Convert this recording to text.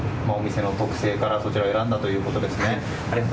お店の特性からこちらを選んだということですね。